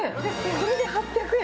これで８００円？